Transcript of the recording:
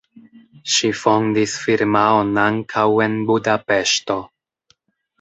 Ŝi fondis firmaon ankaŭ en Budapeŝto.